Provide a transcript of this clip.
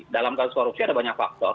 dalam kasus korupsi ada banyak faktor